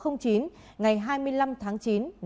ngày hai mươi năm tháng chín